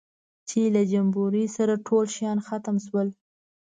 چې له جمبوري سره ټول شیان ختم شول.